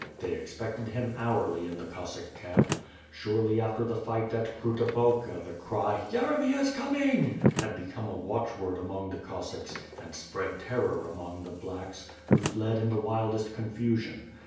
They expected him hourly in the Cossack camp. Shortly after the fight at Kruta Balka the cry 196 ^il'B PiRE AND SWORD. *'Yeremy is coming" had become a watchword among the Cos sacks, and spread terror among the "blacks," who fled in the wildest confusion.